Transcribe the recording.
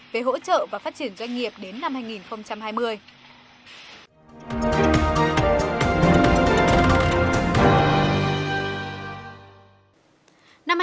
về hỗ trợ và phát triển doanh nghiệp đến năm hai nghìn hai mươi